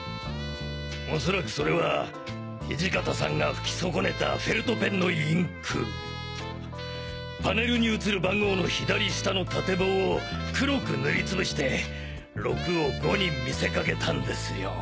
おそらくそれは土方さんが拭きそこねたフェルトペンのインクパネルに映る番号の左下の縦棒を黒く塗りつぶして「６」を「５」に見せかけたんですよ。